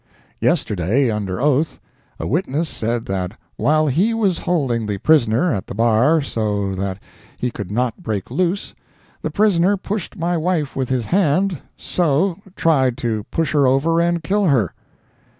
Yesterday—under oath—a witness said that while he was holding the prisoner at the bar so that he could not break loose, the prisoner "pushed my wife with his hand—so—tried to push her over and kill her!"